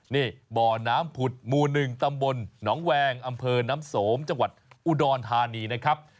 นี่บ่อน้ำผุดหมู่๑ตำบลหนองแวงอำเภอน้ำสมจังหวัดอุดรธานีนะครับ